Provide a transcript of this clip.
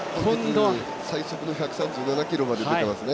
最速の１３７キロまで出てますね。